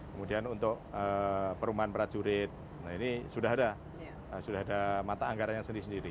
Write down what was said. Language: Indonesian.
kemudian untuk perumahan prajurit nah ini sudah ada sudah ada mata anggarannya sendiri sendiri